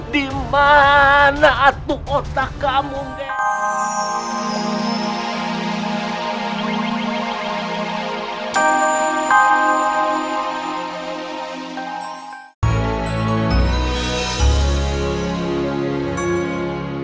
dimana aku berada di dunia ini